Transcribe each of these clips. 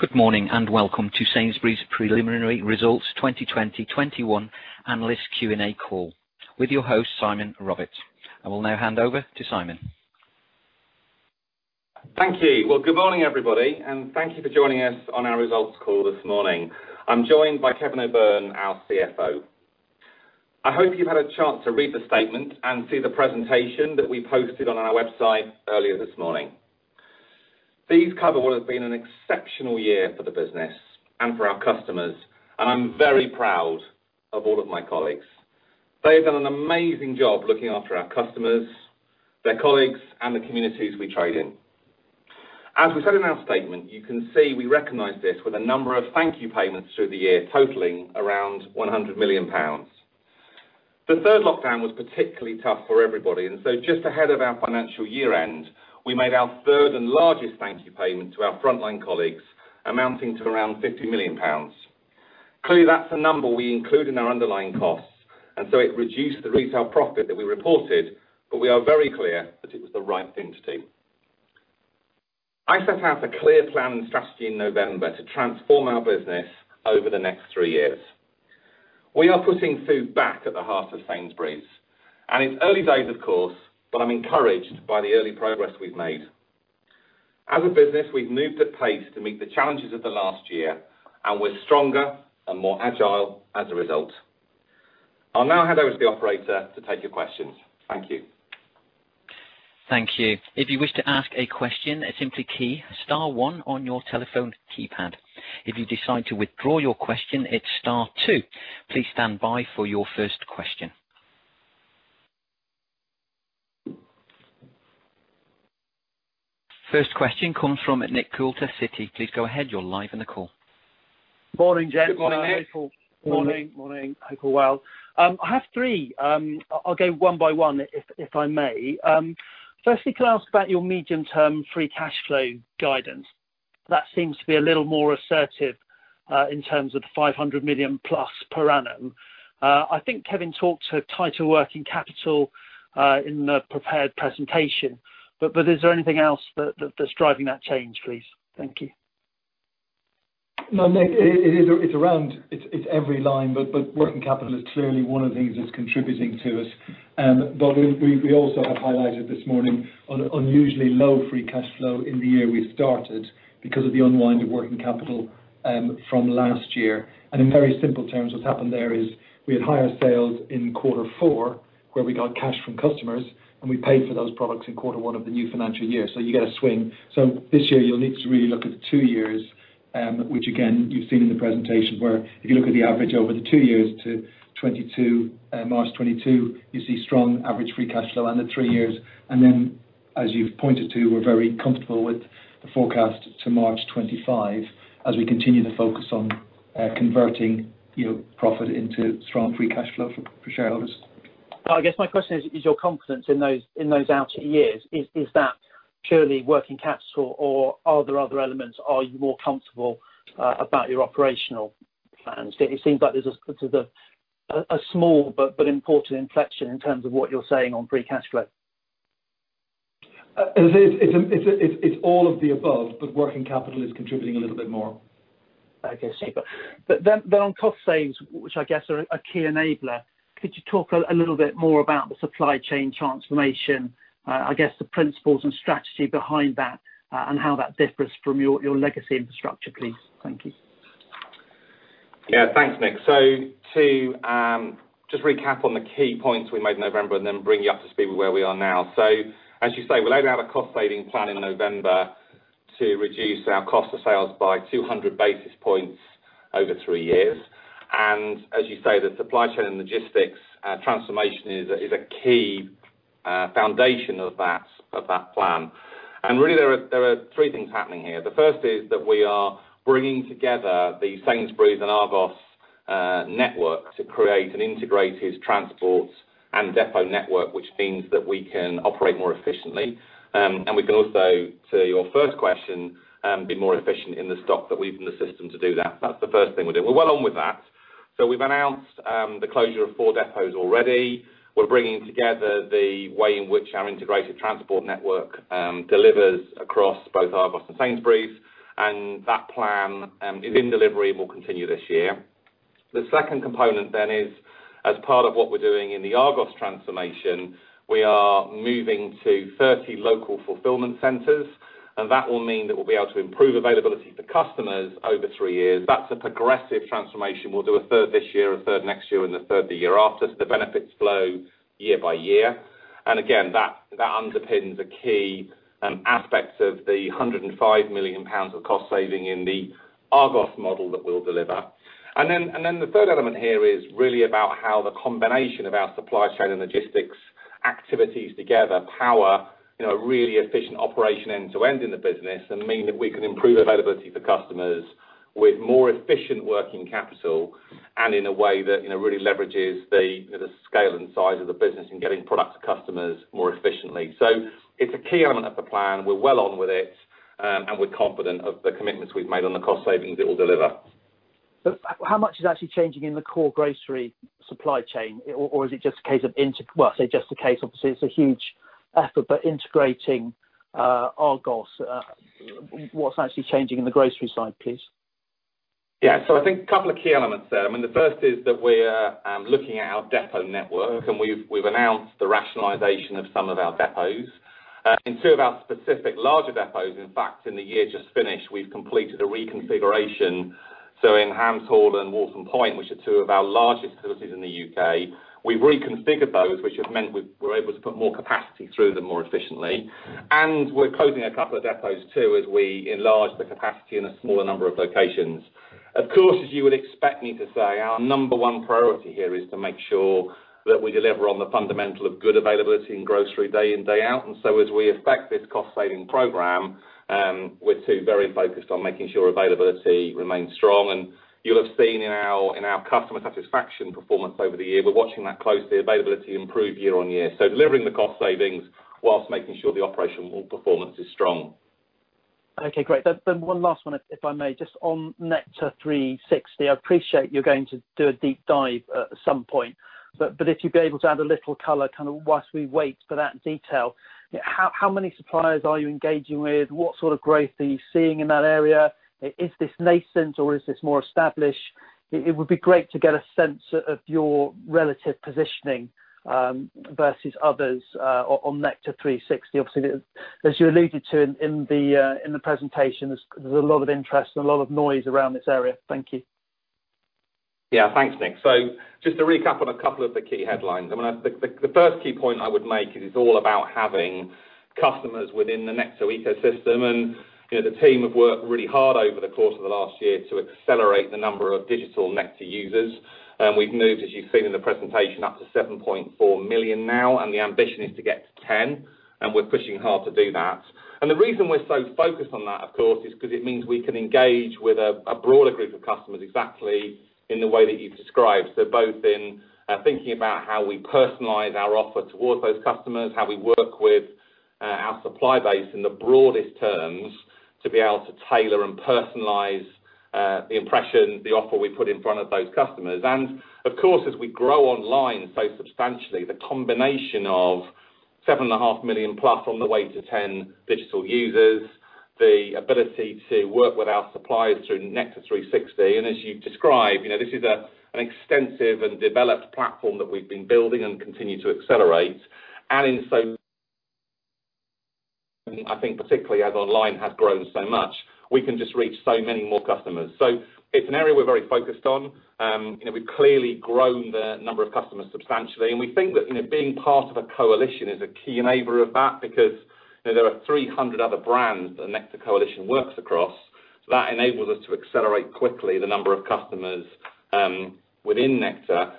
Good morning, welcome to Sainsbury's Preliminary Results 2020-2021 Analyst Q&A call with your host, Simon Roberts. I will now hand over to Simon. Thank you. Well, good morning, everybody, and thank you for joining us on our results call this morning. I'm joined by Kevin O'Byrne, our CFO. I hope you've had a chance to read the statement and see the presentation that we posted on our website earlier this morning. These cover what has been an exceptional year for the business and for our customers, and I'm very proud of all of my colleagues. They've done an amazing job looking after our customers, their colleagues, and the communities we trade in. We said in our statement, you can see we recognize this with a number of thank you payments through the year, totaling around 100 million pounds. The third lockdown was particularly tough for everybody. Just ahead of our financial year end, we made our third and largest thank you payment to our frontline colleagues, amounting to around 50 million pounds. Clearly, that's a number we include in our underlying costs. It reduced the retail profit that we reported. We are very clear that it was the right thing to do. I set out a clear plan and strategy in November to transform our business over the next three years. We are putting food back at the heart of Sainsbury's. It's early days, of course. I'm encouraged by the early progress we've made. As a business, we've moved at pace to meet the challenges of the last year. We're stronger and more agile as a result. I'll now hand over to the operator to take your questions. Thank you. First question comes from Nick Coulter, Citi. Please go ahead. You're live on the call. Morning, gents. Good morning, Nick. Morning. Morning. Hope you're well. I have three. I'll go one by one, if I may. Firstly, can I ask about your medium term free cash flow guidance? That seems to be a little more assertive, in terms of the 500+ million per annum. I think Kevin talked to tighter working capital in the prepared presentation. Is there anything else that's driving that change, please? Thank you. No, Nick, it's around every line, but working capital is clearly one of the things that's contributing to it. We also have highlighted this morning an unusually low free cash flow in the year we started because of the unwind of working capital from last year. In very simple terms, what's happened there is we had higher sales in quarter four where we got cash from customers, and we paid for those products in quarter one of the new financial year. You get a swing. This year you'll need to really look at the two years, which again, you've seen in the presentation where if you look at the average over the two years to March 2022, you see strong average free cash flow under three years. As you've pointed to, we're very comfortable with the forecast to March 2025 as we continue to focus on converting profit into strong free cash flow for shareholders. I guess my question is your confidence in those outer years. Is that purely working capital, or are there other elements? Are you more comfortable about your operational plans? It seems like there's a small but important inflection in terms of what you're saying on free cash flow. It's all of the above, but working capital is contributing a little bit more. Okay, super. On cost savings, which I guess are a key enabler, could you talk a little bit more about the supply chain transformation, I guess the principles and strategy behind that, and how that differs from your legacy infrastructure, please? Thank you. Thanks, Nick. To just recap on the key points we made in November and then bring you up to speed with where we are now. As you say, we laid out a cost saving plan in November to reduce our cost of sales by 200 basis points over three years. As you say, the supply chain and logistics transformation is a key foundation of that plan. Really there are three things happening here. The first is that we are bringing together the Sainsbury's and Argos network to create an integrated transport and depot network, which means that we can operate more efficiently. We can also, to your first question, be more efficient in the stock that we've in the system to do that. That's the first thing we're doing. We're well on with that. We've announced the closure of four depots already. We're bringing together the way in which our integrated transport network delivers across both Argos and Sainsbury's, and that plan is in delivery and will continue this year. The second component is, as part of what we're doing in the Argos transformation, we are moving to 30 local fulfillment centers, and that will mean that we'll be able to improve availability for customers over three years. That's a progressive transformation. We'll do a third this year, a third next year, and a third the year after. The benefits flow year by year. Again, that underpins a key aspect of the 105 million pounds of cost saving in the Argos model that we'll deliver. The third element here is really about how the combination of our supply chain and logistics activities together power really efficient operation end to end in the business and mean that we can improve availability for customers with more efficient working capital and in a way that really leverages the scale and size of the business and getting product to customers more efficiently. It's a key element of the plan. We're well on with it, and we're confident of the commitments we've made on the cost savings it will deliver. How much is actually changing in the core grocery supply chain? Is it just a case of well, I say just a case, obviously, it's a huge effort, but integrating Argos. What's actually changing in the grocery side, please? I think a couple of key elements there. The first is that we're looking at our depot network, and we've announced the rationalization of some of our depots. In two of our specific larger depots, in fact, in the year just finished, we've completed a reconfiguration. In Hams Hall and Waltham Point, which are two of our largest facilities in the U.K., we've reconfigured those, which has meant we're able to put more capacity through them more efficiently. We're closing a couple of depots too, as we enlarge the capacity in a smaller number of locations. Of course, as you would expect me to say, our number one priority here is to make sure that we deliver on the fundamental of good availability in grocery day in, day out. As we effect this cost-saving program, we're too very focused on making sure availability remains strong. You'll have seen in our customer satisfaction performance over the year, we're watching that closely, availability improve year on year. Delivering the cost savings whilst making sure the operational performance is strong. Okay, great. One last one, if I may. Just on Nectar360, I appreciate you're going to do a deep dive at some point, but if you'd be able to add a little color whilst we wait for that detail, how many suppliers are you engaging with? What sort of growth are you seeing in that area? Is this nascent, or is this more established? It would be great to get a sense of your relative positioning versus others on Nectar360. Obviously, as you alluded to in the presentation, there's a lot of interest and a lot of noise around this area. Thank you. Yeah. Thanks, Nick. Just to recap on a couple of the key headlines. The first key point I would make is it's all about having customers within the Nectar ecosystem, and the team have worked really hard over the course of the last year to accelerate the number of digital Nectar users. We've moved, as you've seen in the presentation, up to 7.4 million now, and the ambition is to get to 10, and we're pushing hard to do that. The reason we're so focused on that, of course, is because it means we can engage with a broader group of customers exactly in the way that you've described. Both in thinking about how we personalize our offer towards those customers, how we work with our supply base in the broadest terms to be able to tailor and personalize the impression, the offer we put in front of those customers. Of course, as we grow online so substantially, the combination of 7.5+ million on the way to 10 digital users, the ability to work with our suppliers through Nectar360. As you describe, this is an extensive and developed platform that we've been building and continue to accelerate. In so I think particularly as online has grown so much, we can just reach so many more customers. It's an area we're very focused on. We've clearly grown the number of customers substantially, and we think that being part of a coalition is a key enabler of that because there are 300 other brands the Nectar coalition works across. That enables us to accelerate quickly the number of customers within Nectar.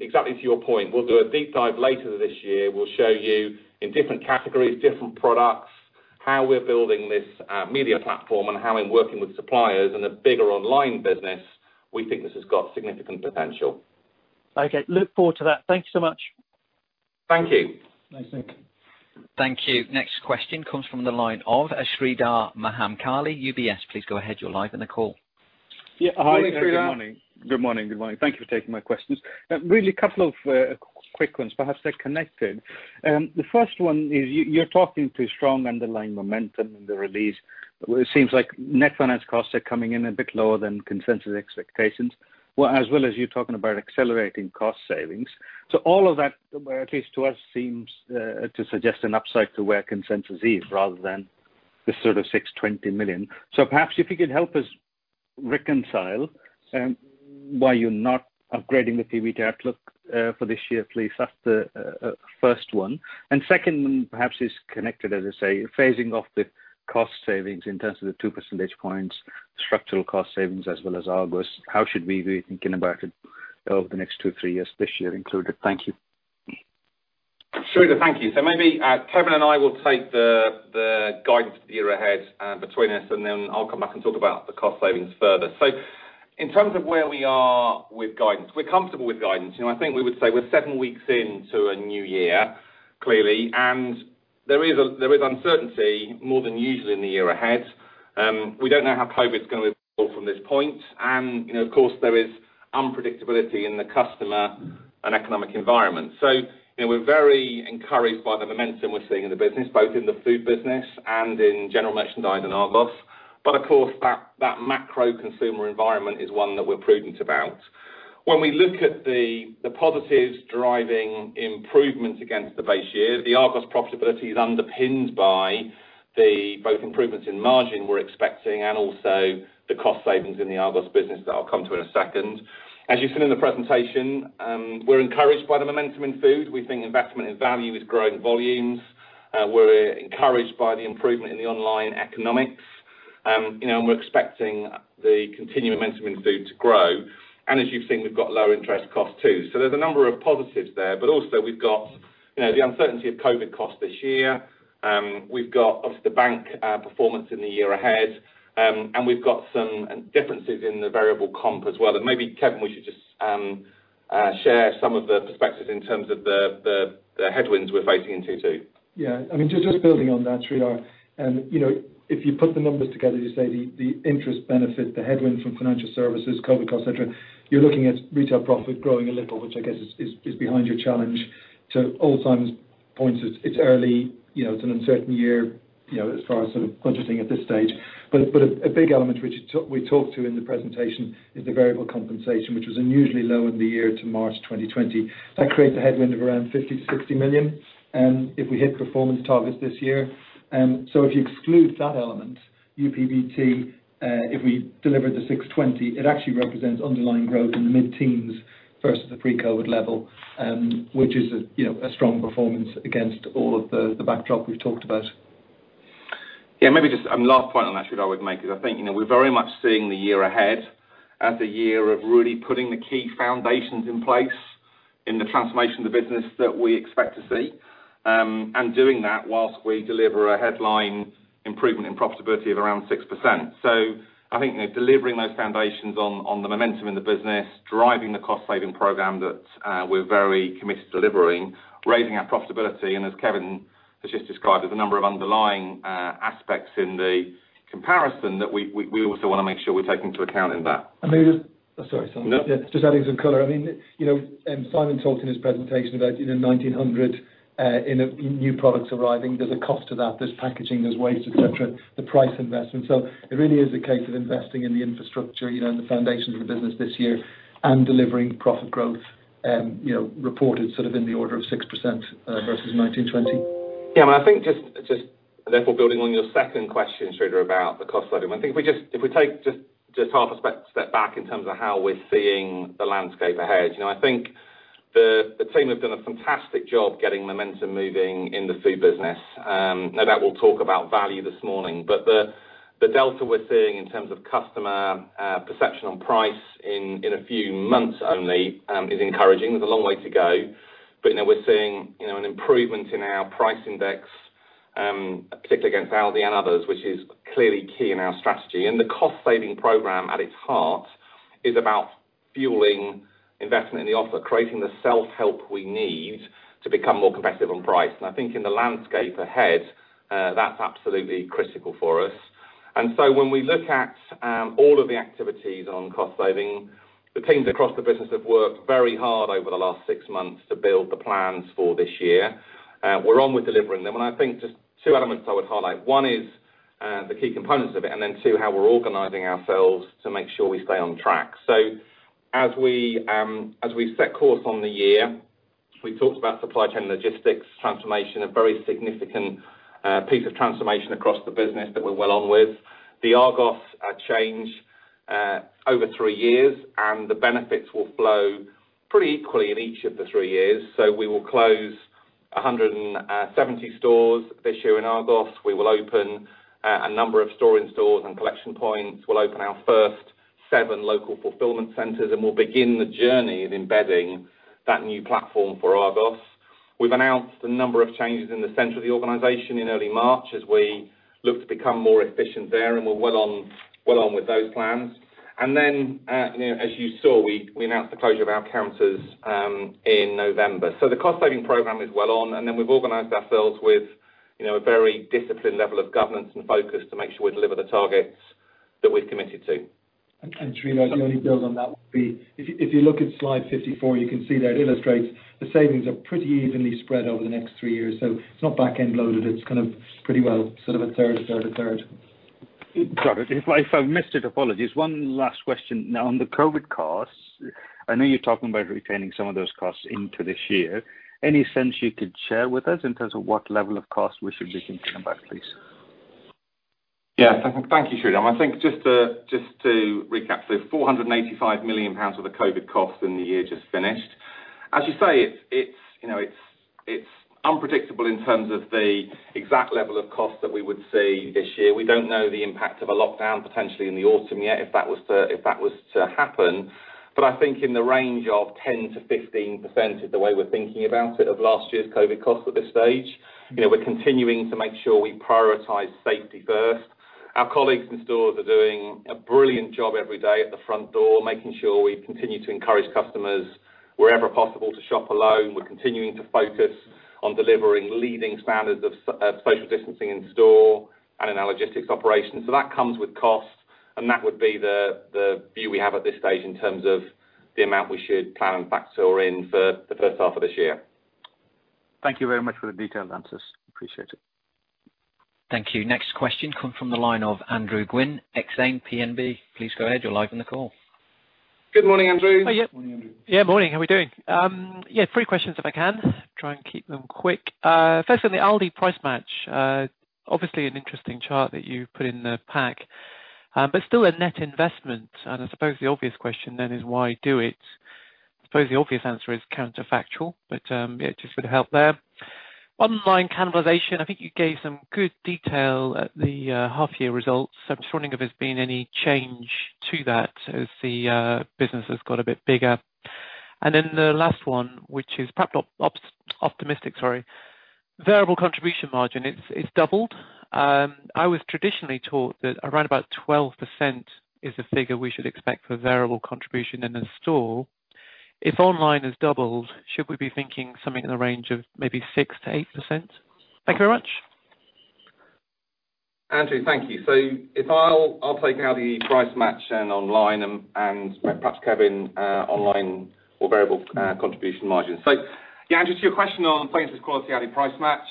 Exactly to your point, we'll do a deep dive later this year. We'll show you in different categories, different products, how we're building this media platform and how in working with suppliers in a bigger online business, we think this has got significant potential. Okay. Look forward to that. Thank you so much. Thank you. Thanks, Nick. Thank you. Next question comes from the line of Sreedhar Mahamkali, UBS. Please go ahead. You're live on the call. Yeah. Hi, Sreedhar. Morning. Good morning. Thank you for taking my questions. Really, a couple of quick ones. Perhaps they're connected. The first one is you're talking to strong underlying momentum in the release. It seems like net finance costs are coming in a bit lower than consensus expectations. Well, as well as you talking about accelerating cost savings. All of that, at least to us, seems to suggest an upside to where consensus is rather than the sort of 620 million. Perhaps if you could help us reconcile why you're not upgrading the PBT outlook for this year, please? That's the first one. Second perhaps is connected, as I say, phasing off the cost savings in terms of the two percentage points, structural cost savings, as well as Argos. How should we be thinking about it over the next two, three years, this year included? Thank you. Sreedhar, thank you. Maybe Kevin and I will take the guidance for the year ahead between us, and then I'll come back and talk about the cost savings further. In terms of where we are with guidance, we're comfortable with guidance, and I think we would say we're seven weeks into a new year, clearly, and there is uncertainty more than usual in the year ahead. We don't know how COVID is going to evolve from this point. Of course, there is unpredictability in the customer and economic environment. We're very encouraged by the momentum we're seeing in the business, both in the food business and in general merchandise in Argos. Of course, that macro consumer environment is one that we're prudent about. When we look at the positives driving improvements against the base year, the Argos profitability is underpinned by both improvements in margin we're expecting and also the cost savings in the Argos business that I'll come to in a second. As you've seen in the presentation, we're encouraged by the momentum in food. We think investment in value is growing volumes. We're encouraged by the improvement in the online economics. We're expecting the continued momentum in food to grow. As you've seen, we've got lower interest costs, too. There's a number of positives there. Also we've got the uncertainty of COVID costs this year. We've got, obviously, the bank performance in the year ahead. We've got some differences in the variable comp as well. Maybe, Kevin, would you just share some of the perspectives in terms of the headwinds we're facing in Q2. Yeah. Just building on that, Sreedhar, if you put the numbers together, you say the interest benefit, the headwind from financial services, COVID cost, et cetera, you're looking at retail profit growing a little, which I guess is behind your challenge. To all Simon's points, it's early, it's an uncertain year as far as budgeting at this stage. A big element which we talked to in the presentation is the variable compensation, which was unusually low in the year to March 2020. That creates a headwind of around 50 million-60 million if we hit performance targets this year. If you exclude that element, UPBT, if we deliver the 620 million, it actually represents underlying growth in the mid-teens versus the pre-COVID level, which is a strong performance against all of the backdrop we've talked about. Yeah, maybe just last point on that, Sreedhar, I would make is I think we're very much seeing the year ahead as a year of really putting the key foundations in place in the transformation of the business that we expect to see, and doing that whilst we deliver a headline improvement in profitability of around 6%. I think delivering those foundations on the momentum in the business, driving the cost saving program that we're very committed to delivering, raising our profitability, and as Kevin has just described, there's a number of underlying aspects in the comparison that we also want to make sure we take into account in that. maybe just Sorry, Simon. No. Just adding some color. Simon talked in his presentation about 1,900 new products arriving. There's a cost to that. There's packaging, there's waste, et cetera, the price investment. It really is a case of investing in the infrastructure and the foundations of the business this year and delivering profit growth reported in the order of 6% versus 2019-2020. Yeah, I think just therefore building on your second question, Sreedhar, about the cost saving. I think if we take just half a step back in terms of how we're seeing the landscape ahead, I think the team have done a fantastic job getting momentum moving in the food business. Now that we'll talk about value this morning. The delta we're seeing in terms of customer perception on price in a few months only is encouraging. There's a long way to go, but we're seeing an improvement in our price index, particularly against Aldi and others, which is clearly key in our strategy. The cost saving program at its heart is about fueling investment in the offer, creating the self-help we need to become more competitive on price. I think in the landscape ahead, that's absolutely critical for us. When we look at all of the activities on cost saving, the teams across the business have worked very hard over the last six months to build the plans for this year. We're on with delivering them. I think just two elements I would highlight. One is the key components of it, and then two, how we're organizing ourselves to make sure we stay on track. As we set course on the year, we talked about supply chain logistics transformation, a very significant piece of transformation across the business that we're well on with. The Argos change over three years, and the benefits will flow pretty equally in each of the three years. We will close 170 stores this year in Argos. We will open a number of store-in-stores and collection points. We'll open our first seven local fulfilment centres, and we'll begin the journey of embedding that new platform for Argos. We've announced a number of changes in the center of the organization in early March as we look to become more efficient there, and we're well on with those plans. As you saw, we announced the closure of our counters in November. The cost saving program is well on, and then we've organized ourselves with a very disciplined level of governance and focus to make sure we deliver the targets that we've committed to. Sreedhar, the only build on that would be, if you look at slide 54, you can see that illustrates the savings are pretty evenly spread over the next three years. It's not back-end loaded. It's pretty well sort of a third, a third, a third. Got it. If I've missed it, apologies. One last question. On the COVID costs, I know you're talking about retaining some of those costs into this year. Any sense you could share with us in terms of what level of cost we should be thinking about, please? Thank you, Sreedhar. I think just to recap, 485 million pounds of the COVID cost in the year just finished. As you say, it's unpredictable in terms of the exact level of cost that we would see this year. We don't know the impact of a lockdown potentially in the autumn yet, if that was to happen. I think in the range of 10%-15% is the way we're thinking about it of last year's COVID cost at this stage. We're continuing to make sure we prioritize safety first. Our colleagues in stores are doing a brilliant job every day at the front door, making sure we continue to encourage customers wherever possible to shop alone. We're continuing to focus on delivering leading standards of social distancing in store and in our logistics operations. That comes with costs, and that would be the view we have at this stage in terms of the amount we should plan and factor in for the first half of this year. Thank you very much for the detailed answers. Appreciate it. Thank you. Next question come from the line of Andrew Gwynn, Exane BNP. Please go ahead. You're live on the call. Good morning, Andrew. Morning, Andrew. Morning. How are we doing? Three questions if I can. Try and keep them quick. First on the Aldi Price Match. Obviously an interesting chart that you put in the pack. Still a net investment, and I suppose the obvious question then is why do it? I suppose the obvious answer is counterfactual, but just would help there. Online cannibalization, I think you gave some good detail at the half-year results. I'm just wondering if there's been any change to that as the business has got a bit bigger. The last one, which is perhaps optimistic, sorry. Variable contribution margin, it's doubled. I was traditionally taught that around about 12% is the figure we should expect for variable contribution in a store. If online has doubled, should we be thinking something in the range of maybe 6%-8%? Thank you very much. Andrew, thank you. I'll take now the price match and online and perhaps Kevin, online or variable contribution margin. Yeah, Andrew, to your question on Sainsbury's Quality, Aldi Price Match,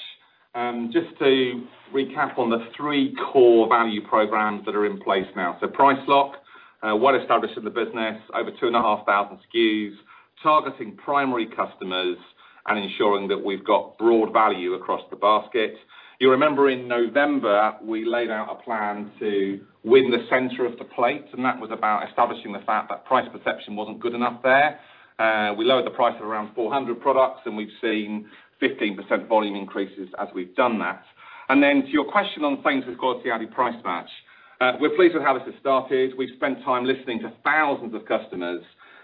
just to recap on the three core value programs that are in place now. Price Lock, well established in the business, over 2,500 SKUs, targeting primary customers, and ensuring that we've got broad value across the basket. You'll remember in November, we laid out a plan to win the center of the plate, and that was about establishing the fact that price perception wasn't good enough there. We lowered the price of around 400 products, and we've seen 15% volume increases as we've done that. To your question on Sainsbury's Quality, Aldi Price Match, we're pleased with how this has started. We've spent time listening to thousands of customers.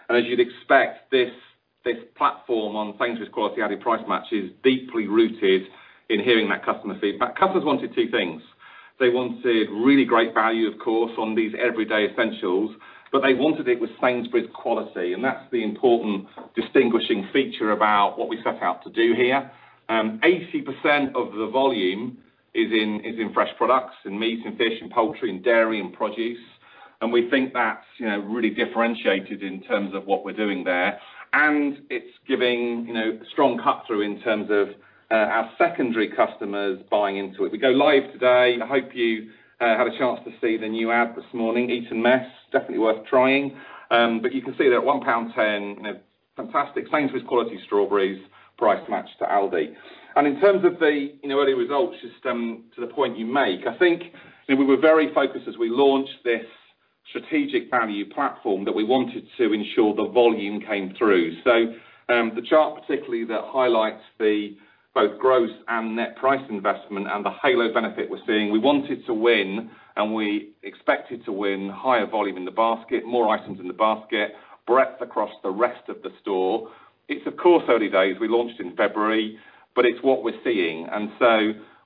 As you'd expect, this platform on Sainsbury's Quality, Aldi Price Match is deeply rooted in hearing that customer feedback. Customers wanted two things. They wanted really great value, of course, on these everyday essentials. They wanted it with Sainsbury's quality. That's the important distinguishing feature about what we set out to do here. 80% of the volume is in fresh products, in meat and fish and poultry and dairy and produce. We think that's really differentiated in terms of what we're doing there. It's giving strong cut-through in terms of our secondary customers buying into it. We go live today. I hope you had a chance to see the new ad this morning, Eton Mess, definitely worth trying. You can see there at 1.10 pound, fantastic Sainsbury's quality strawberries, price matched to Aldi. In terms of the early results just to the point you make, I think that we were very focused as we launched this strategic value platform that we wanted to ensure the volume came through. The chart particularly that highlights both gross and net price investment and the halo benefit we're seeing, we wanted to win and we expected to win higher volume in the basket, more items in the basket, breadth across the rest of the store. It's of course early days. We launched in February, but it's what we're seeing.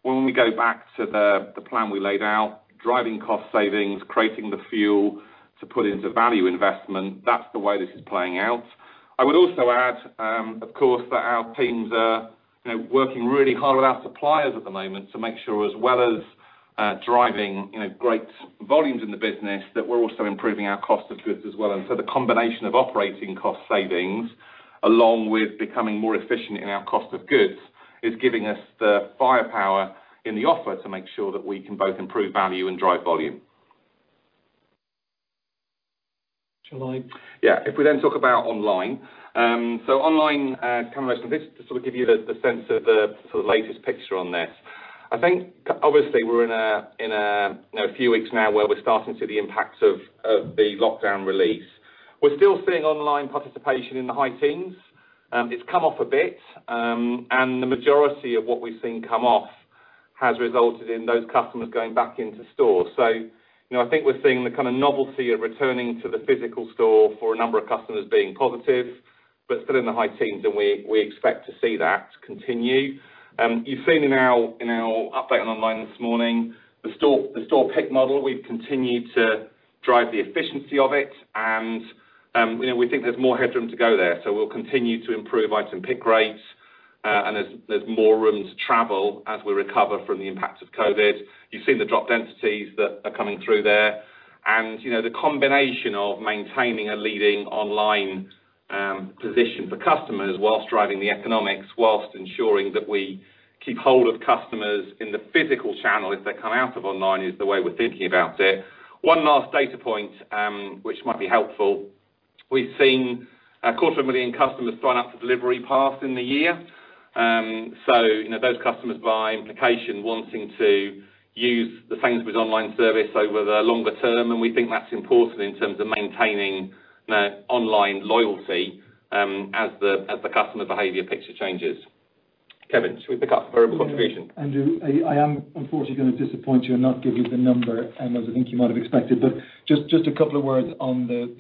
When we go back to the plan we laid out, driving cost savings, creating the fuel to put into value investment, that's the way this is playing out. I would also add, of course, that our teams are working really hard with our suppliers at the moment to make sure as well as driving great volumes in the business, that we're also improving our cost of goods as well. The combination of operating cost savings along with becoming more efficient in our cost of goods is giving us the firepower in the offer to make sure that we can both improve value and drive volume. Shall I? Yeah. We then talk about online. Online conversion, just to sort of give you the sense of latest picture on this. I think obviously we're in a few weeks now where we're starting to see the impacts of the lockdown release. We're still seeing online participation in the high teens. It's come off a bit, and the majority of what we've seen come off has resulted in those customers going back into stores. I think we're seeing the kind of novelty of returning to the physical store for a number of customers being positive, but still in the high teens, and we expect to see that continue. You've seen in our update on online this morning, the store pick model, we've continued to drive the efficiency of it. We think there's more headroom to go there. We'll continue to improve item pick rates. There's more room to travel as we recover from the impact of COVID. You've seen the drop densities that are coming through there, and the combination of maintaining a leading online position for customers whilst driving the economics, whilst ensuring that we keep hold of customers in the physical channel as they come out of online, is the way we're thinking about it. One last data point, which might be helpful. We've seen a quarter of a million customers sign up for Delivery Pass in the year. Those customers, by implication, wanting to use the Sainsbury's online service over the longer term, and we think that's important in terms of maintaining online loyalty as the customer behavior picture changes. Kevin, should we pick up variable contribution? Andrew, I am unfortunately going to disappoint you and not give you the number as I think you might have expected, but just a couple of words on the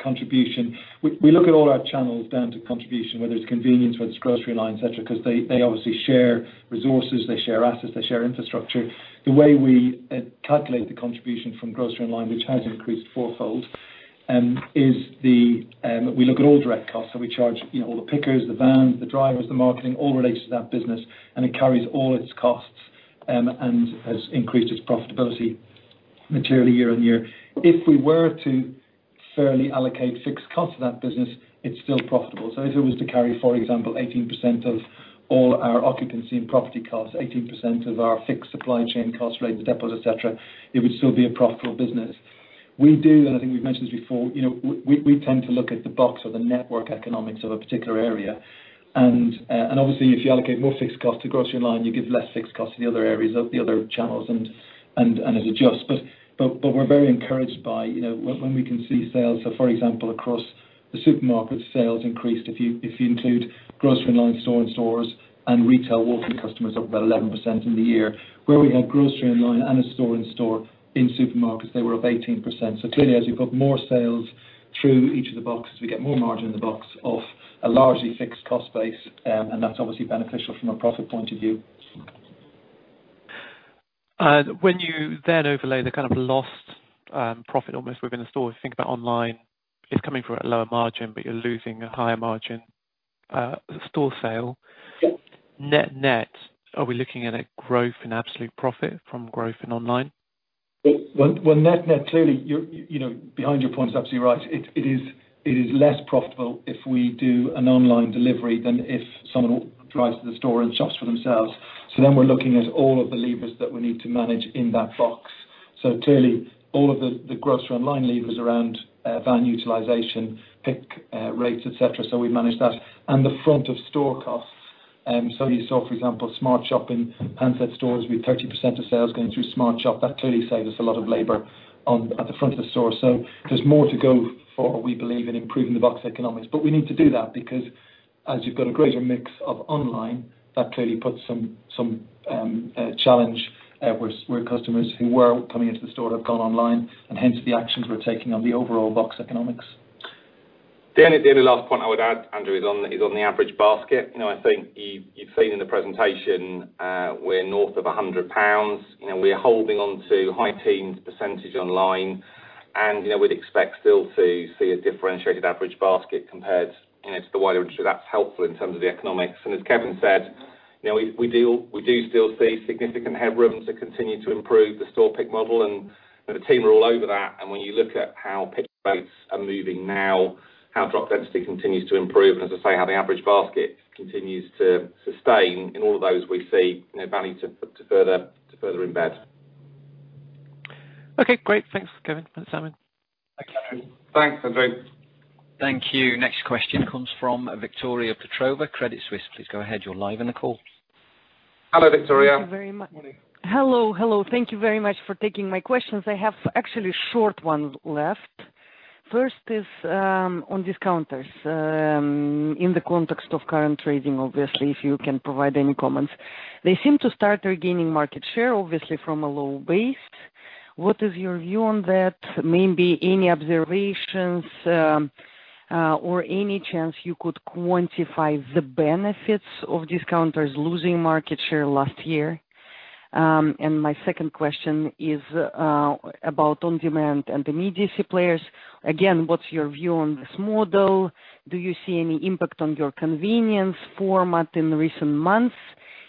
contribution. We look at all our channels down to contribution, whether it's convenience, whether it's groceries online, et cetera, because they obviously share resources, they share assets, they share infrastructure. The way we calculate the contribution from groceries online which has increased fourfold, is we look at all direct costs. We charge all the pickers, the vans, the drivers, the marketing, all related to that business, and it carries all its costs and has increased its profitability materially year on year. If we were to fairly allocate fixed costs to that business, it's still profitable. If it was to carry, for example, 18% of all our occupancy and property costs, 18% of our fixed supply chain costs, rate depots, et cetera, it would still be a profitable business. We do, and I think we've mentioned this before, we tend to look at the box or the network economics of a particular area. Obviously, if you allocate more fixed costs to groceries online, you give less fixed costs to the other areas of the other channels, and it adjusts. We're very encouraged by when we can see sales, so for example, across the supermarket, sales increased, if you include groceries online store-in-stores and retail walk-in customers up about 11% in the year. Where we had groceries online and a store-in-stores in supermarkets, they were up 18%. Clearly, as you put more sales through each of the boxes, we get more margin in the box of a largely fixed cost base, and that's obviously beneficial from a profit point of view. When you then overlay the kind of lost profit almost within the store, think about online, it's coming from a lower margin, but you're losing a higher margin store sale. Yep. Net-net are we looking at a growth in absolute profit from growth in online? Well, net-net, clearly, behind your point is absolutely right. It is less profitable if we do an online delivery than if someone drives to the store and shops for themselves. Then we're looking at all of the levers that we need to manage in that box. Clearly all of the groceries online levers around van utilization, pick rates, et cetera, so we manage that. The front of store costs. You saw, for example, SmartShop in handset stores with 30% of sales going through SmartShop. That clearly saves us a lot of labor at the front of the store. There's more to go for, we believe, in improving the box economics. We need to do that because as you've got a greater mix of online, that clearly puts some challenge where customers who were coming into the store have gone online and hence the actions we're taking on the overall box economics. The only last point I would add, Andrew, is on the average basket. I think you've seen in the presentation, we're north of 100 pounds. We are holding on to high teens percentage online, and we'd expect still to see a differentiated average basket compared to the wider industry. That's helpful in terms of the economics. As Kevin said, we do still see significant headroom to continue to improve the store pick model, and the team are all over that. When you look at how pick rates are moving now, how drop density continues to improve, and as I say, how the average basket continues to sustain in all of those, we see value to further embed. Okay, great. Thanks, Kevin and Simon. Thank you. Thanks, Andrew. Thank you. Next question comes from Victoria Petrova, Credit Suisse. Please go ahead. You're live on the call. Hello, Victoria. Thank you very much. Morning. Hello. Thank you very much for taking my questions. I have actually short one left. First is on discounters. In the context of current trading, obviously, if you can provide any comments. They seem to start regaining market share, obviously from a low base. What is your view on that? Maybe any observations, or any chance you could quantify the benefits of discounters losing market share last year? My second question is about on-demand and immediacy players. Again, what's your view on this model? Do you see any impact on your convenience format in the recent months?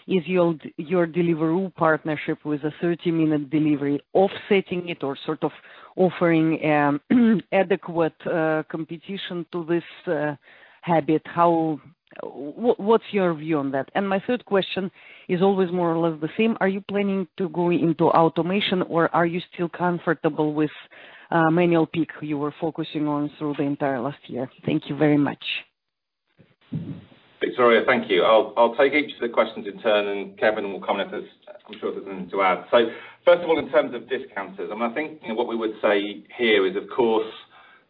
Is your Deliveroo partnership with a 30-minute delivery offsetting it or sort of offering adequate competition to this habit? What's your view on that? My third question is always more or less the same. Are you planning to go into automation, or are you still comfortable with manual pick you were focusing on through the entire last year? Thank you very much. Victoria, thank you. I'll take each of the questions in turn, and Kevin will comment, I'm sure, if there's anything to add. First of all, in terms of discounters, I think what we would say here is, of course,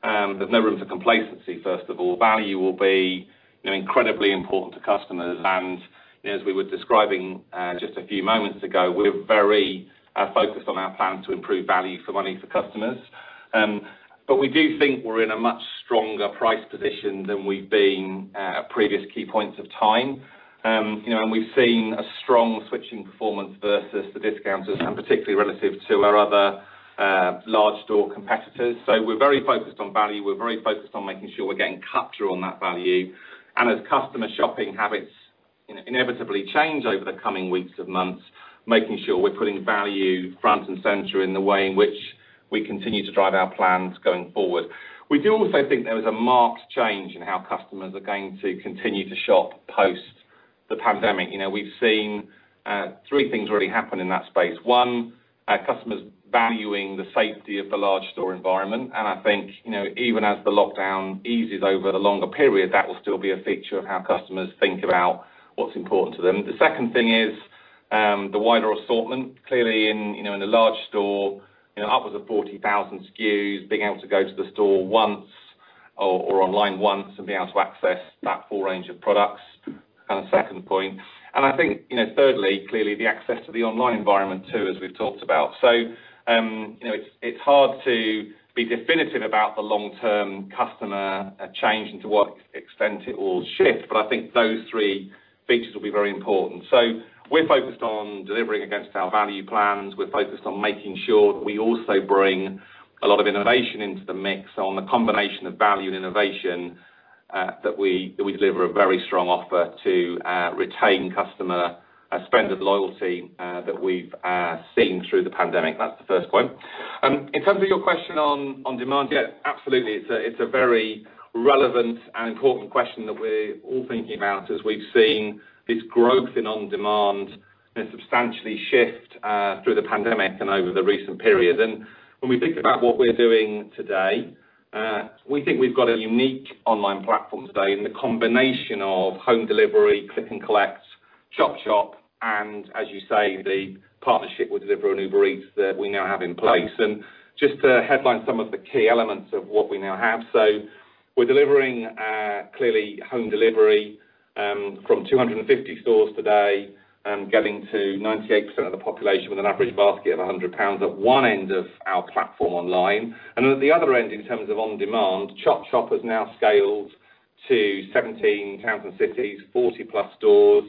there's no room for complacency, first of all. Value will be incredibly important to customers. As we were describing just a few moments ago, we're very focused on our plan to improve value for money for customers. We do think we're in a much stronger price position than we've been at previous key points of time. We've seen a strong switching performance versus the discounters and particularly relative to our other large store competitors. We're very focused on value. We're very focused on making sure we're getting capture on that value. As customer shopping habits inevitably change over the coming weeks and months, making sure we're putting value front and center in the way in which we continue to drive our plans going forward. We do also think there is a marked change in how customers are going to continue to shop post the pandemic. We've seen three things really happen in that space. One, our customers valuing the safety of the large store environment. I think, even as the lockdown eases over the longer period, that will still be a feature of how customers think about what's important to them. The second thing is the wider assortment. Clearly in a large store, upwards of 40,000 SKUs, being able to go to the store once or online once and being able to access that full range of products, kind of second point. I think, thirdly, clearly the access to the online environment too, as we've talked about. It's hard to be definitive about the long-term customer change and to what extent it will shift, but I think those three features will be very important. We're focused on delivering against our value plans. We're focused on making sure that we also bring a lot of innovation into the mix on the combination of value and innovation, that we deliver a very strong offer to retain customer spend and loyalty that we've seen through the pandemic. That's the first point. In terms of your question on demand, yeah, absolutely. It's a very relevant and important question that we're all thinking about as we've seen this growth in on-demand substantially shift through the pandemic and over the recent period. When we think about what we're doing today, we think we've got a unique online platform today in the combination of home delivery, Click & Collect, Chop Chop, and as you say, the partnership with Deliveroo and Uber Eats that we now have in place. Just to headline some of the key elements of what we now have. We're delivering clearly home delivery from 250 stores today and getting to 98% of the population with an average basket of 100 pounds at one end of our platform online. At the other end, in terms of on-demand, Chop Chop has now scaled to 17 towns and cities, 40+ stores.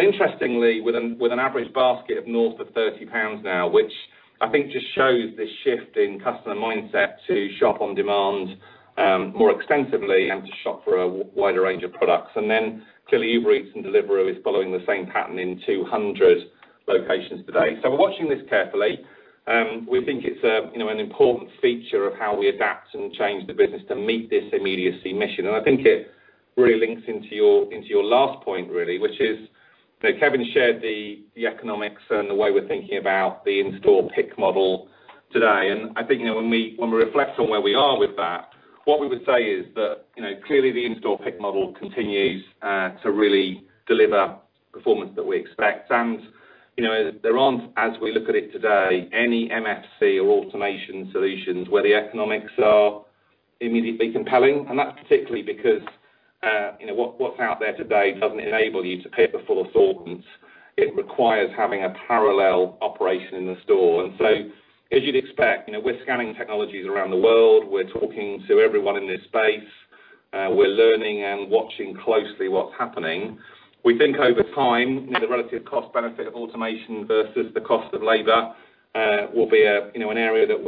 Interestingly, with an average basket of north of 30 pounds now, which I think just shows this shift in customer mindset to shop on-demand more extensively and to shop for a wider range of products. Clearly, Uber Eats and Deliveroo is following the same pattern in 200 locations today. We're watching this carefully. We think it's an important feature of how we adapt and change the business to meet this immediacy mission. I think it really links into your last point, really, which is, Kevin shared the economics and the way we're thinking about the in-store pick model today. I think, when we reflect on where we are with that, what we would say is that, clearly, the in-store pick model continues to really deliver performance that we expect. There aren't, as we look at it today, any MFC or automation solutions where the economics are immediately compelling. It requires having a parallel operation in the store. As you'd expect, we're scanning technologies around the world. We're talking to everyone in this space. We're learning and watching closely what's happening. We think over time, the relative cost benefit of automation versus the cost of labor will be an area that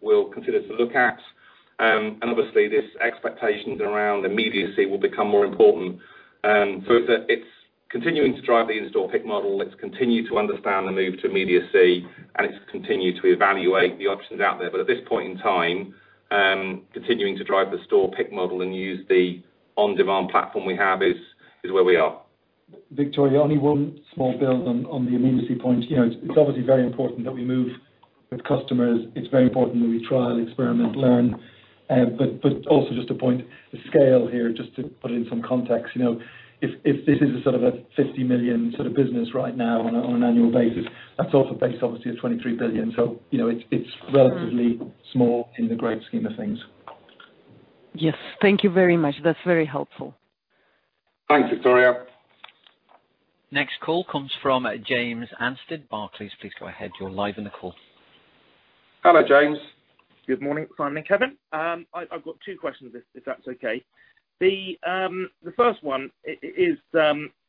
we'll consider to look at. Obviously, this expectation around immediacy will become more important. It's continuing to drive the in-store pick model. It's continued to understand the move to immediacy, and it's continued to evaluate the options out there. At this point in time, continuing to drive the store pick model and use the on-demand platform we have is where we are. Victoria, only one small build on the immediacy point. It's obviously very important that we move with customers. It's very important that we trial, experiment, learn. Also just to point the scale here, just to put it in some context. If this is a 50 million sort of business right now on an annual basis, that's also based obviously at 23 billion. It's relatively small in the great scheme of things. Yes. Thank you very much. That's very helpful. Thanks, Victoria. Next call comes from James Anstead, Barclays. Please go ahead. You're live in the call. Hello, James. Good morning, Simon and Kevin. I've got two questions, if that's okay. The first one is,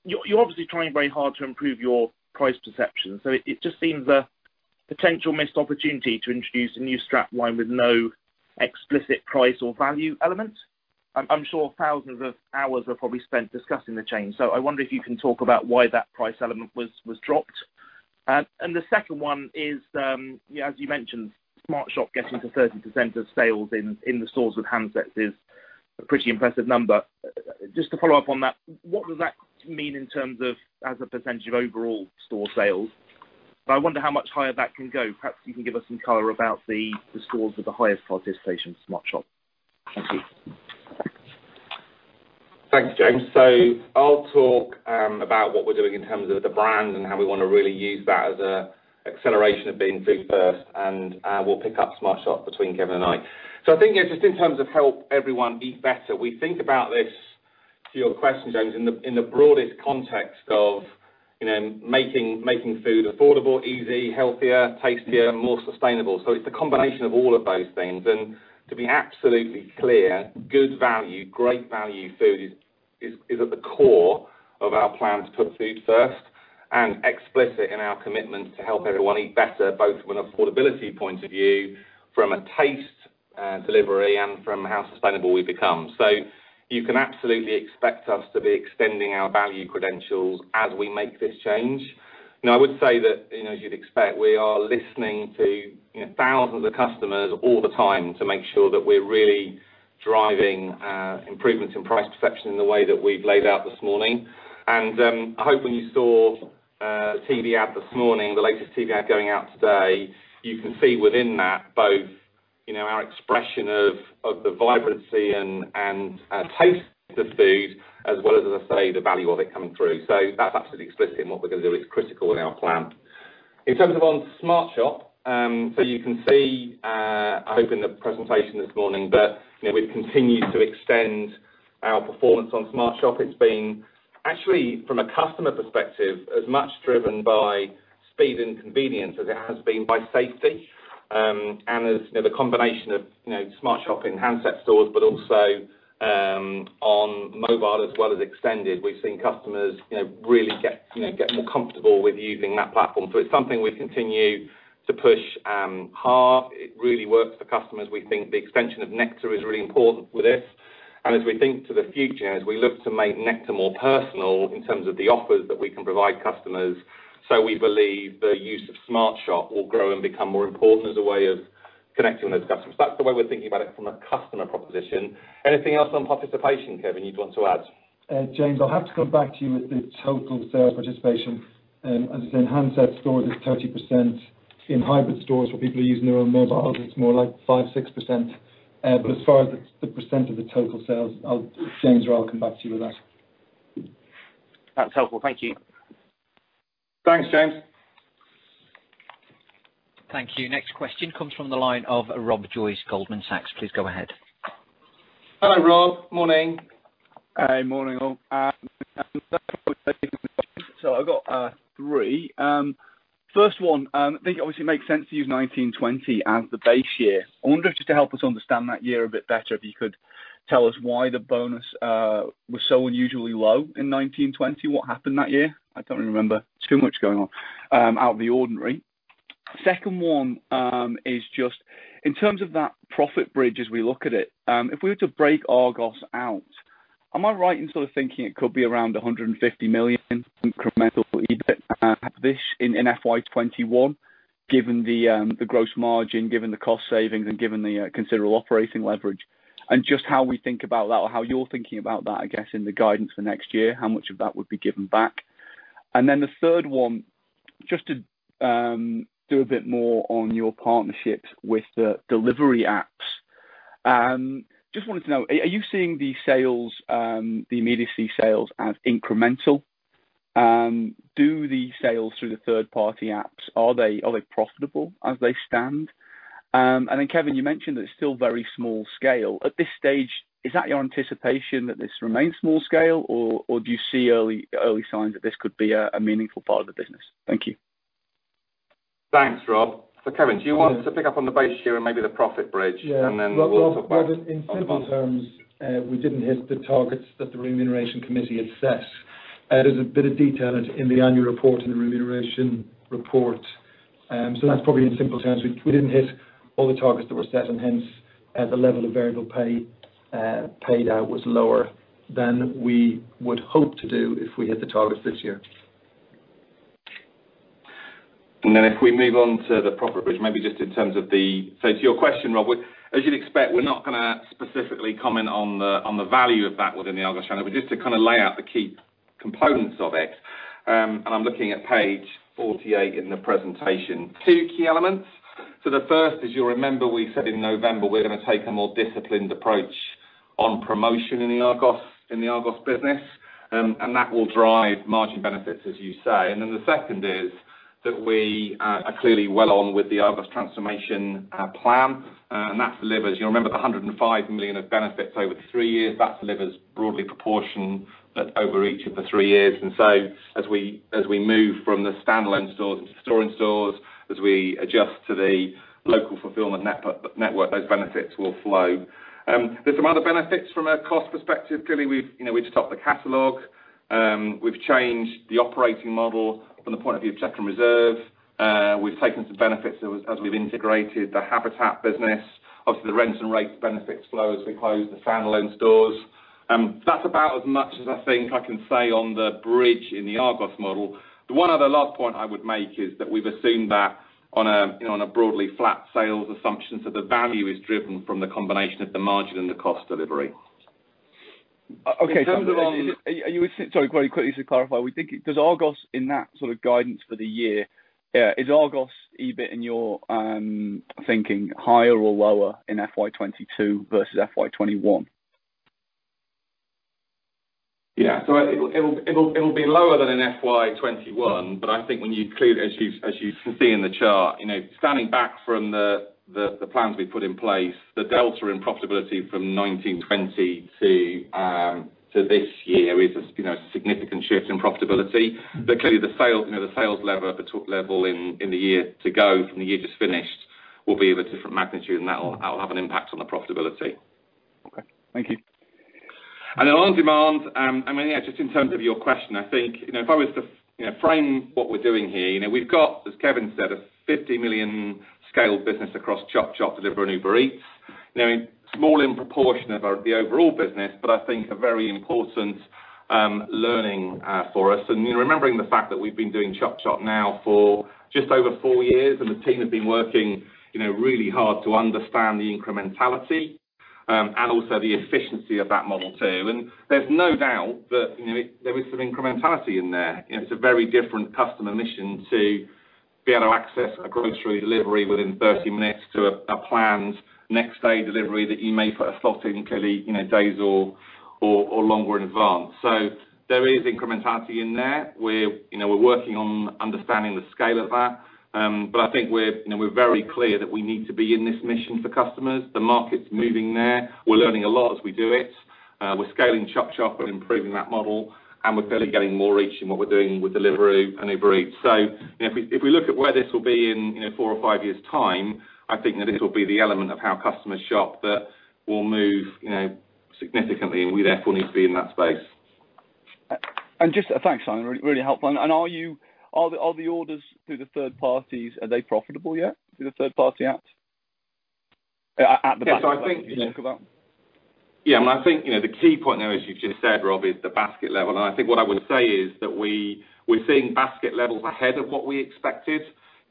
you're obviously trying very hard to improve your price perception, it just seems a potential missed opportunity to introduce a new strapline with no explicit price or value element. I'm sure thousands of hours are probably spent discussing the change. I wonder if you can talk about why that price element was dropped. The second one is, as you mentioned, SmartShop getting to 30% of sales in the stores with handsets is a pretty impressive number. Just to follow up on that, what does that mean in terms of as a percentage of overall store sales? I wonder how much higher that can go. Perhaps you can give us some color about the stores with the highest participation SmartShop. Thank you. Thanks, James. I'll talk about what we're doing in terms of the brand and how we want to really use that as an acceleration of being food first, and we'll pick up SmartShop between Kevin and I. I think just in terms of "Help Everyone Eat Better", we think about this, to your question, James, in the broadest context of making food affordable, easy, healthier, tastier, and more sustainable. It's a combination of all of those things. To be absolutely clear, good value, great value food is at the core of our plan to put Food First and explicit in our commitment to "Help Everyone Eat Better", both from an affordability point of view, from a taste delivery, and from how sustainable we become. You can absolutely expect us to be extending our value credentials as we make this change. I would say that, as you'd expect, we are listening to thousands of customers all the time to make sure that we're really driving improvements in price perception in the way that we've laid out this morning. I hope when you saw TV ad this morning, the latest TV ad going out today, you can see within that both our expression of the vibrancy and taste of the food as well as I say, the value of it coming through. That's absolutely explicit in what we're going to do. It's critical in our plan. In terms of on SmartShop, so you can see, I hope in the presentation this morning that we've continued to extend our performance on SmartShop. It's been actually, from a customer perspective, as much driven by speed and convenience as it has been by safety. There's the combination of SmartShop in handset stores, but also on mobile as well as extended. We've seen customers really get more comfortable with using that platform. It's something we continue to push hard. It really works for customers. We think the extension of Nectar is really important with this. As we think to the future, as we look to make Nectar more personal in terms of the offers that we can provide customers, we believe the use of SmartShop will grow and become more important as a way of connecting with those customers. That's the way we're thinking about it from a customer proposition. Anything else on participation, Kevin, you'd want to add? James, I'll have to come back to you with the total sales participation. As I said, handset stores is 30%. In hybrid stores where people are using their own mobiles, it's more like 5%-6%. As far as the percent of the total sales, James or I'll come back to you with that. That's helpful. Thank you. Thanks, James. Thank you. Next question comes from the line of Rob Joyce, Goldman Sachs. Please go ahead. Hi, Rob. Morning. Morning all. I've got three. First one, I think it obviously makes sense to use 2019-2020 as the base year. I wonder if, just to help us understand that year a bit better, if you could tell us why the bonus was so unusually low in 2019-2020, what happened that year? I don't remember. There's too much going on out of the ordinary. Second one is just in terms of that profit bridge as we look at it, if we were to break Argos out, am I right in thinking it could be around 150 million incremental EBIT in FY 2021, given the gross margin, given the cost savings, and given the considerable operating leverage? Just how we think about that or how you're thinking about that, I guess, in the guidance for next year, how much of that would be given back? The third one, just to do a bit more on your partnerships with the delivery apps. Just wanted to know, are you seeing the immediacy sales as incremental? Do the sales through the third-party apps, are they profitable as they stand? Kevin, you mentioned that it's still very small scale. At this stage, is that your anticipation that this remains small scale or do you see early signs that this could be a meaningful part of the business? Thank you. Thanks, Rob. Kevin, do you want to pick up on the base year and maybe the profit bridge? Yeah. Then we'll talk about the bonus. Rob, in simple terms, we didn't hit the targets that the Remuneration Committee had set. There's a bit of detail in the annual report in the remuneration report. That's probably in simple terms. Hence, the level of variable pay paid out was lower than we would hope to do if we hit the targets this year. If we move on to the profit bridge, maybe just in terms of your question, Rob, as you'd expect, we're not going to specifically comment on the value of that within the Argos channel. Just to lay out the key components of it, and I'm looking at page 48 in the presentation. Two key elements. The first, as you'll remember, we said in November, we're going to take a more disciplined approach on promotion in the Argos business. That will drive margin benefits, as you say. The second is that we are clearly well on with the Argos transformation plan, and that delivers, you'll remember, the 105 million of benefits over the three years. That delivers broadly proportion over each of the three years. As we move from the standalone stores into store-in-stores, as we adjust to the local fulfilment network, those benefits will flow. There's some other benefits from a cost perspective. Clearly, we've stopped the catalog. We've changed the operating model from the point of view of Check & Reserve. We've taken some benefits as we've integrated the Habitat business. Obviously, the rents and rates benefit flow as we close the standalone stores. That's about as much as I think I can say on the bridge in the Argos model. The one other last point I would make is that we've assumed that on a broadly flat sales assumption, so the value is driven from the combination of the margin and the cost delivery. Okay. Sorry, very quickly to clarify, does Argos in that sort of guidance for the year, is Argos EBIT in your thinking higher or lower in FY 2022 versus FY 2021? Yeah. It'll be lower than in FY 2021, but I think as you can see in the chart, standing back from the plans we put in place, the delta in profitability from 2019-2020 to this year is a significant shift in profitability. Clearly the sales level in the year to go from the year just finished will be of a different magnitude, and that will have an impact on the profitability. Okay. Thank you. On demand, just in terms of your question, I think, if I was to frame what we're doing here, we've got, as Kevin said, a 50 million scaled business across Chop Chop, Deliveroo and Uber Eats. Small in proportion of the overall business, but I think a very important learning for us. Remembering the fact that we've been doing Chop Chop now for just over four years, and the team have been working really hard to understand the incrementality, and also the efficiency of that model, too. There's no doubt that there is some incrementality in there. It's a very different customer mission to be able to access a grocery delivery within 30 minutes to a planned next day delivery that you may put a slot in clearly days or longer in advance. There is incrementality in there. We're working on understanding the scale of that. I think we're very clear that we need to be in this mission for customers. The market's moving there. We're learning a lot as we do it. We're scaling Chop Chop and improving that model, and we're clearly getting more reach in what we're doing with Deliveroo and Uber Eats. If we look at where this will be in four or five years' time, I think that this will be the element of how customers shop that will move significantly, and we therefore need to be in that space. Thanks, Simon. Really helpful. Are the orders through the third parties, are they profitable yet through the third party apps, at the basket level you spoke about? Yeah, the key point there, as you just said, Rob, is the basket level. I think what I would say is that we're seeing basket levels ahead of what we expected.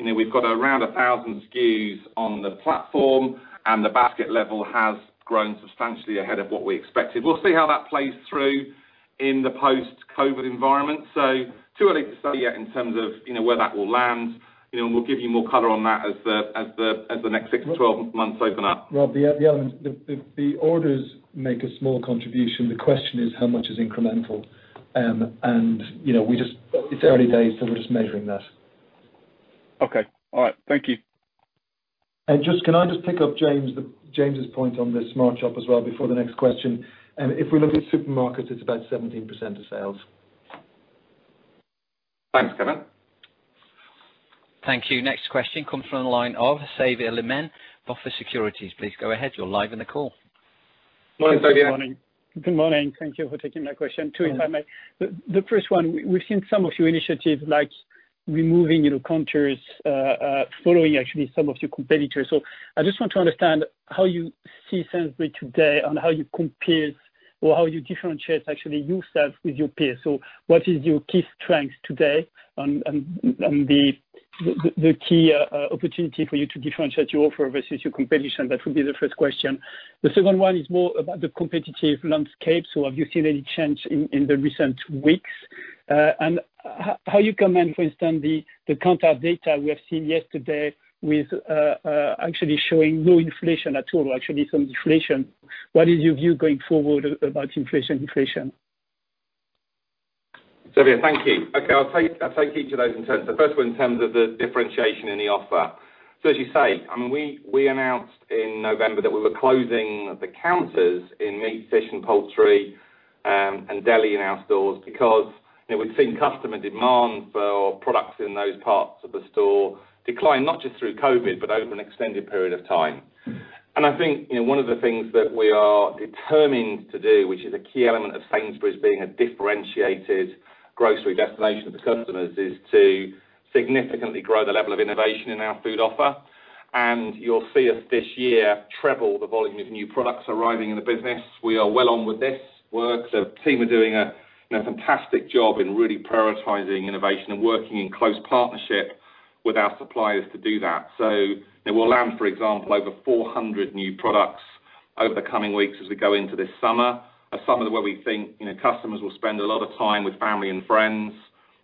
We've got around 1,000 SKUs on the platform, and the basket level has grown substantially ahead of what we expected. We'll see how that plays through in the post-COVID environment. Too early to say yet in terms of where that will land, and we'll give you more color on that as the next 6-12 months open up. Rob, the other element, the orders make a small contribution. The question is how much is incremental? It's early days, so we're just measuring that. Okay. All right. Thank you. Can I just pick up James' point on the SmartShop as well before the next question? If we look at supermarkets, it's about 17% of sales. Thanks, Kevin. Thank you. Next question comes from the line of Xavier Le Mené, BofA Securities. Please go ahead. You are live in the call. Morning, Xavier. Good morning. Thank you for taking my question too, if I may. The first one, we've seen some of your initiatives like removing your counters, following actually some of your competitors. I just want to understand how you see Sainsbury's today and how you compare or how you differentiate actually yourself with your peers? What is your key strength today and the key opportunity for you to differentiate your offer versus your competition? That would be the first question. The second one is more about the competitive landscape. Have you seen any change in the recent weeks, and how you comment, for instance, the Kantar data we have seen yesterday with actually showing low inflation at all, actually some deflation? What is your view going forward about inflation? Xavier, thank you. I'll take each of those in turn. First one in terms of the differentiation in the offer. As you say, we announced in November that we were closing the counters in meat, fish and poultry, and deli in our stores because we'd seen customer demand for products in those parts of the store decline, not just through COVID, but over an extended period of time. I think one of the things that we are determined to do, which is a key element of Sainsbury's being a differentiated grocery destination for customers, is to significantly grow the level of innovation in our food offer. You'll see us this year treble the volume of new products arriving in the business. We are well on with this work. The team are doing a fantastic job in really prioritizing innovation and working in close partnership with our suppliers to do that. We'll land, for example, over 400 new products over the coming weeks as we go into this summer. A summer where we think customers will spend a lot of time with family and friends,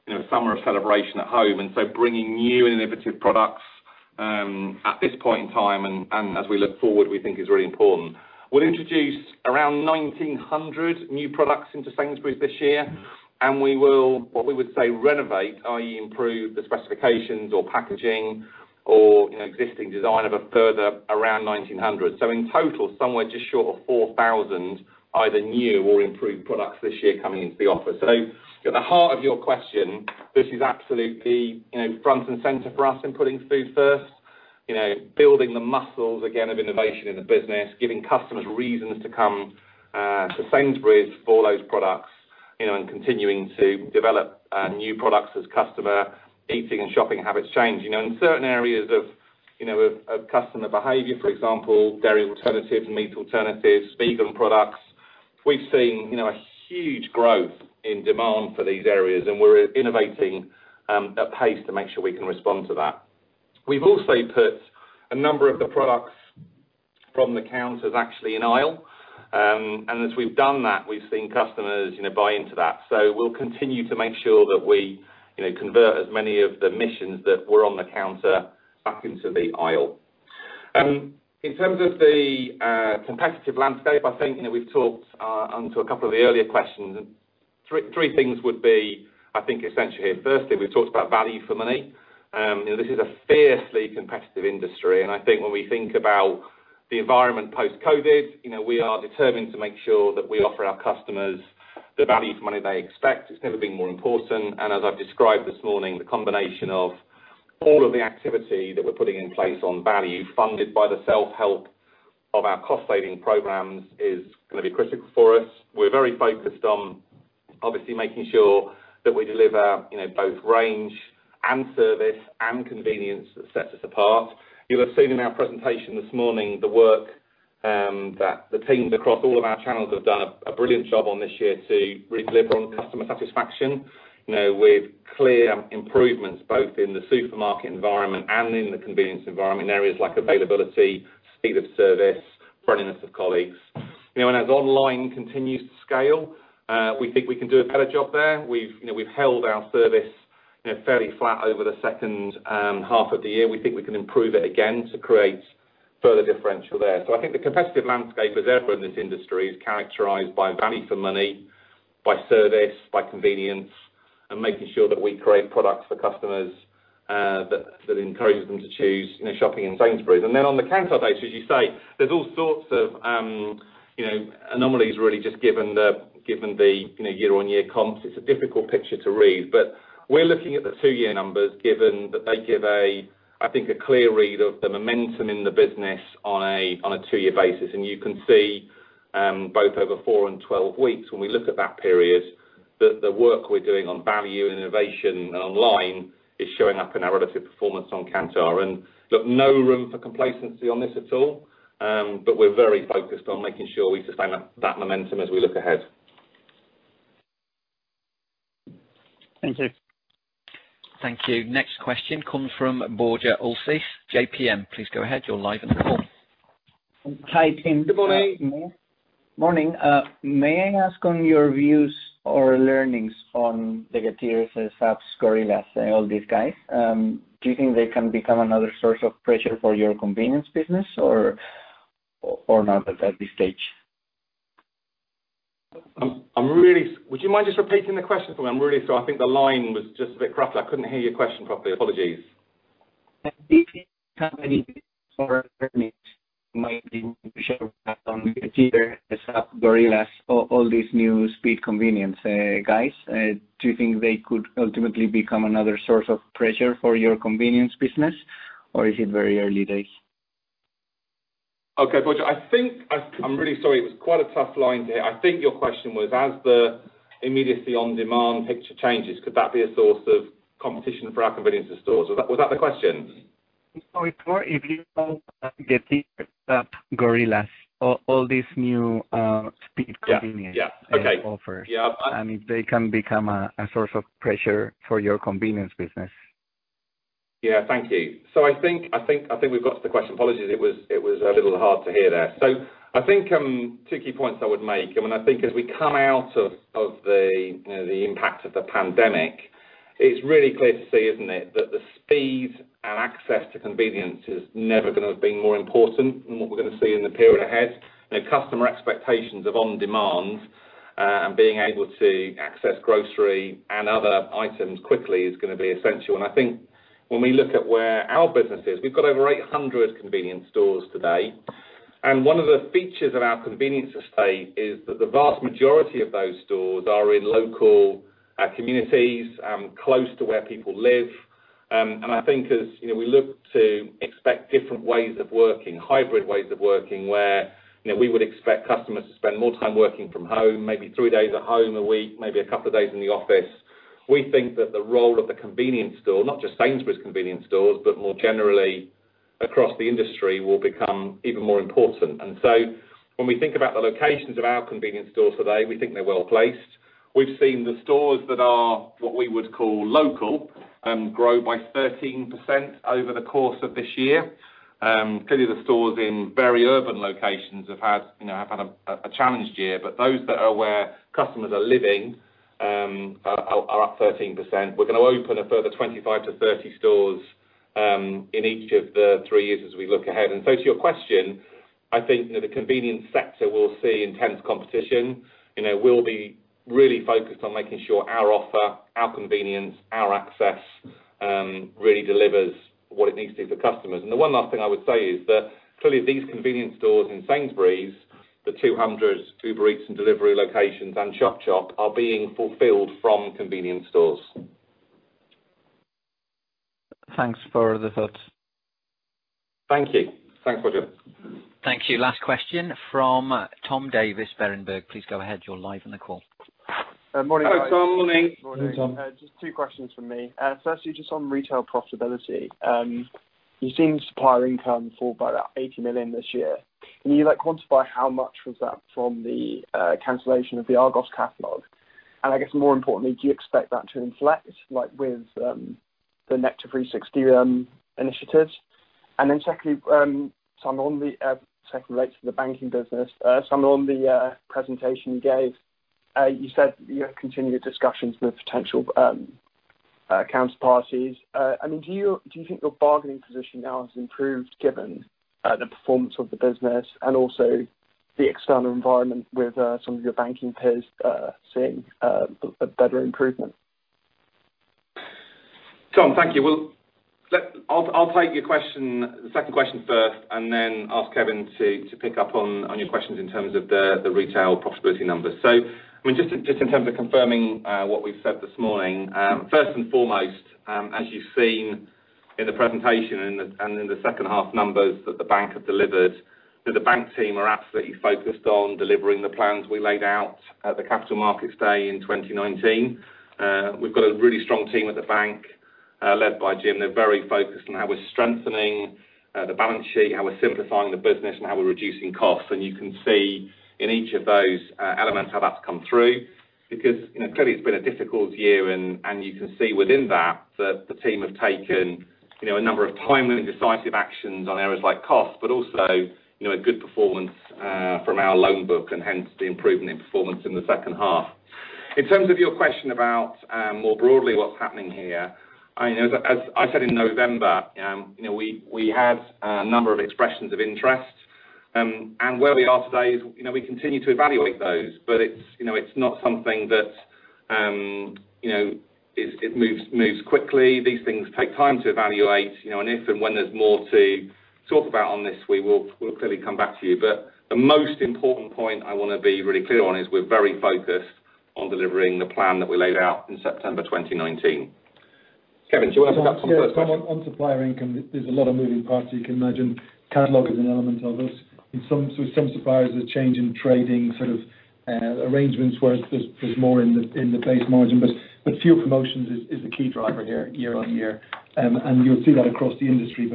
a summer of celebration at home. Bringing new and innovative products, at this point in time and as we look forward, we think is really important. We'll introduce around 1,900 new products into Sainsbury's this year, and we will, what we would say renovate, i.e. improve the specifications or packaging or existing design of a further around 1,900. In total, somewhere just short of 4,000, either new or improved products this year coming into the offer. At the heart of your question, this is absolutely front and center for us in putting food first, building the muscles again of innovation in the business, giving customers reasons to come, to Sainsbury's for those products, and continuing to develop new products as customer eating and shopping habits change. In certain areas of customer behavior, for example, dairy alternatives, meat alternatives, vegan products, we've seen a huge growth in demand for these areas and we're innovating at pace to make sure we can respond to that. We've also put a number of the products from the counters actually in aisle. As we've done that, we've seen customers buy into that. We'll continue to make sure that we convert as many of the missions that were on the counter back into the aisle. In terms of the competitive landscape, I think we've talked onto a couple of the earlier questions. Three things would be, I think, essentially here. Firstly, we've talked about value for money. This is a fiercely competitive industry, and I think when we think about the environment post-COVID, we are determined to make sure that we offer our customers the value for money they expect. It's never been more important. As I've described this morning, the combination of all of the activity that we're putting in place on value funded by the self-help of our cost-saving programs is going to be critical for us. We're very focused on obviously making sure that we deliver both range and service and convenience that sets us apart. You have seen in our presentation this morning the work that the teams across all of our channels have done a brilliant job on this year to really deliver on customer satisfaction with clear improvements both in the supermarket environment and in the convenience environment in areas like availability, speed of service, friendliness of colleagues. As online continues to scale, we think we can do a better job there. We've held our service fairly flat over the second half of the year. We think we can improve it again to create further differential there. I think the competitive landscape as ever in this industry is characterized by value for money, by service, by convenience, and making sure that we create products for customers that encourages them to choose shopping in Sainsbury's. On the Kantar base, as you say, there's all sorts of anomalies really just given the year-on-year comps. It's a difficult picture to read, but we're looking at the two year numbers given that they give, I think, a clear read of the momentum in the business on a two year basis. You can see, both over four and 12 weeks when we look at that period, that the work we're doing on value and innovation and online is showing up in our relative performance on Kantar. Look, no room for complacency on this at all. We're very focused on making sure we sustain that momentum as we look ahead. Thank you. Thank you. Next question comes from Borja Olcese, JPMorgan. Please go ahead. You're live on the call. Hi, team. Good morning. Morning. May I ask on your views or learnings on the Getir, Zapp, and Gorillas and all these guys? Do you think they can become another source of pressure for your convenience business or not at this stage? Would you mind just repeating the question for me? I'm really sorry. I think the line was just a bit crackly. I couldn't hear your question properly. Apologies. Gorillas, all these new speed convenience guys, do you think they could ultimately become another source of pressure for your convenience business, or is it very early days? Okay, Borja. I'm really sorry. It was quite a tough line to hear. I think your question was, as the immediacy on-demand picture changes, could that be a source of competition for our convenience stores? Was that the question? No, it's more if you look at Getir, Zapp, and Gorillas, all these new speed convenience. Yeah. Okay. offers, if they can become a source of pressure for your convenience business. Yeah, thank you. I think we've got the question. Apologies. It was a little hard to hear there. I think two key points I would make, I think as we come out of the impact of the pandemic, it's really clear to see, isn't it, that the speed and access to convenience is never going to have been more important than what we're going to see in the period ahead. Customer expectations of on-demand, and being able to access grocery and other items quickly is going to be essential. I think when we look at where our business is, we've got over 800 convenience stores today, and one of the features of our convenience estate is that the vast majority of those stores are in local communities, close to where people live. I think as we look to expect different ways of working, hybrid ways of working, where we would expect customers to spend more time working from home, maybe three days at home a week, maybe a couple of days in the office, we think that the role of the convenience store, not just Sainsbury's convenience stores, but more generally across the industry, will become even more important. When we think about the locations of our convenience stores today, we think they're well-placed. We've seen the stores that are what we would call local grow by 13% over the course of this year. Clearly, the stores in very urban locations have had a challenged year. Those that are where customers are living are up 13%. We're going to open a further 25-30 stores in each of the three years as we look ahead. To your question, I think the convenience sector will see intense competition. We'll be really focused on making sure our offer, our convenience, our access really delivers what it needs to for customers. The one last thing I would say is that clearly these convenience stores in Sainsbury's, the 200 Uber Eats and delivery locations and Chop Chop, are being fulfilled from convenience stores. Thanks for the thoughts. Thank you. Thanks, Borja. Thank you. Last question from Tom Davies, Berenberg. Please go ahead. You're live on the call. Hi, Tom. Morning. Morning, Tom. Just two questions from me. Firstly, just on retail profitability. You've seen supplier income fall by about 80 million this year. Can you quantify how much was that from the cancellation of the Argos catalog? I guess more importantly, do you expect that to inflect with the Nectar360 initiatives? Secondly, Simon, on the second relates to the banking business. Simon, on the presentation you gave, you said you have continued discussions with potential counterparties. Do you think your bargaining position now has improved given the performance of the business and also the external environment with some of your banking peers seeing a better improvement? Tom, thank you. I'll take the second question first and then ask Kevin to pick up on your questions in terms of the retail profitability numbers. Just in terms of confirming what we've said this morning. First and foremost, as you've seen in the presentation and in the second half numbers that the bank have delivered, that the bank team are absolutely focused on delivering the plans we laid out at the Capital Markets Day in 2019. We've got a really strong team at the bank, led by Jim. They're very focused on how we're strengthening the balance sheet, how we're simplifying the business, and how we're reducing costs. You can see in each of those elements how that's come through. Clearly it's been a difficult year, and you can see within that the team have taken a number of timely, decisive actions on areas like cost, but also, a good performance from our loan book, and hence the improvement in performance in the second half. In terms of your question about more broadly what's happening here, as I said in November, we had a number of expressions of interest. Where we are today is we continue to evaluate those, but it's not something that moves quickly. These things take time to evaluate, and if and when there's more to talk about on this, we'll clearly come back to you. The most important point I want to be really clear on is we're very focused on delivering the plan that we laid out in September 2019. Kevin, do you want to pick up on first? Yeah, Tom, on supplier income, there's a lot of moving parts, as you can imagine. Catalog is an element of it. With some suppliers, there's change in trading arrangements where there's more in the base margin. Fewer promotions is the key driver here year on year, and you'll see that across the industry.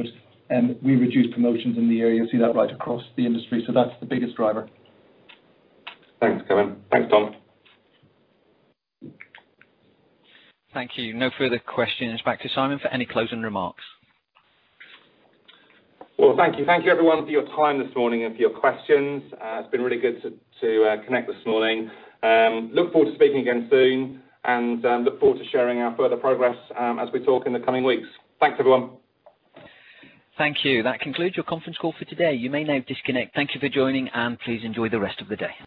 We reduced promotions in the year. You'll see that right across the industry. That's the biggest driver. Thanks, Kevin. Thanks, Tom. Thank you. No further questions. Back to Simon for any closing remarks. Well, thank you. Thank you everyone for your time this morning and for your questions. It's been really good to connect this morning. Look forward to speaking again soon and look forward to sharing our further progress as we talk in the coming weeks. Thanks, everyone. Thank you. That concludes your conference call for today. You may now disconnect. Thank you for joining, and please enjoy the rest of the day.